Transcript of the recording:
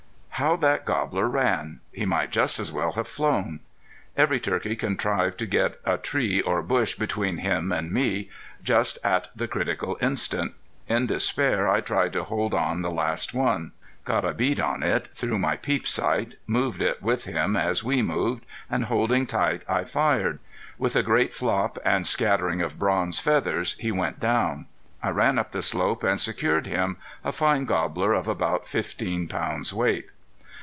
How that gobbler ran! He might just as well have flown. Every turkey contrived to get a tree or bush between him and me, just at the critical instant. In despair I tried to hold on the last one, got a bead on it through my peep sight, moved it with him as we moved, and holding tight, I fired. With a great flop and scattering of bronze feathers he went down. I ran up the slope and secured him, a fine gobbler of about fifteen pounds weight.